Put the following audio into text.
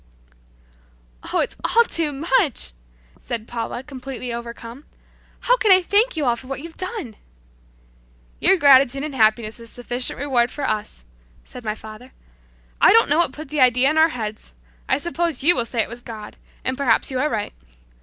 '" "Oh, it's all too much!" said Paula completely overcome. "How can I thank you all for what you've done?" "Your gratitude and happiness is sufficient reward for us," said my father. "I don't know what put the idea in our heads. I suppose you will say it was God, and perhaps you are right.